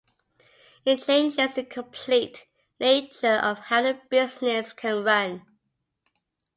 It changes the complete nature of how a business can run.